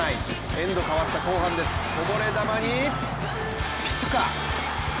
エンドかわった後半です、こぼれ球にピトゥカ。